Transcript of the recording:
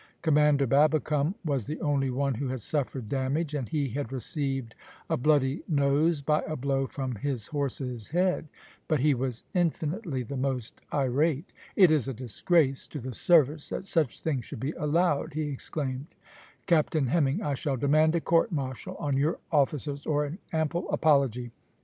Commander Babbicome was the only one who had suffered damage, and he had received a bloody nose by a blow from his horse's head, but he was infinitely the most irate. "It is a disgrace to the service that such things should be allowed," he exclaimed. "Captain Hemming, I shall demand a court martial on your officers, or an ample apology.